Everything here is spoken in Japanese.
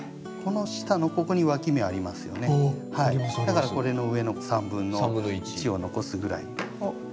だからこれの上の３分の１を残すぐらいを切っていきます。